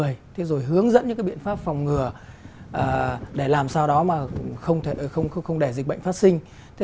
động vật và người rồi hướng dẫn những biện pháp phòng ngừa để làm sao đó mà không đẻ dịch bệnh phát sinh